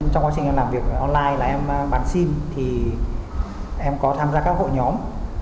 trong quá trình em làm việc online là em bán sim thì em có tham gia các hội nhóm